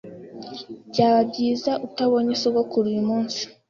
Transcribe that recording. Byaba byiza utabonye sogokuru uyumunsi.